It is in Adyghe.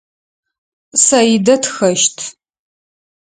Саидэ тхэщт.